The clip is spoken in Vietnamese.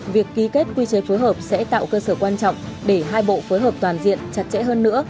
việc ký kết quy chế phối hợp sẽ tạo cơ sở quan trọng để hai bộ phối hợp toàn diện chặt chẽ hơn nữa